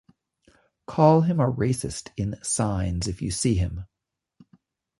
Call him a racist in signs if you see him.